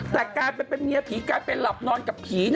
แต่การเป็นเมียผีกลายเป็นหลับนอนกับผี